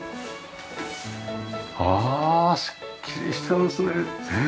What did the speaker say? ああすっきりしてますね。